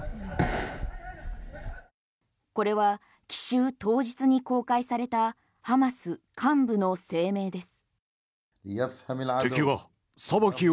これは奇襲当日に公開されたハマス幹部の声明です。